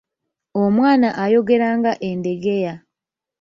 Omwana ayogera nga Endegeya.